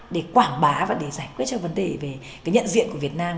để quảng bá và để giải quyết cho vấn đề về cái nhận diện của việt nam